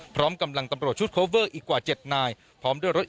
พร้อมกำลังตำรวจชุดโคเวอร์อีกกว่า๗นายพร้อมด้วยรถ